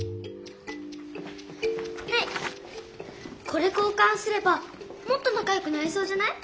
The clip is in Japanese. これ交かんすればもっとなかよくなれそうじゃない？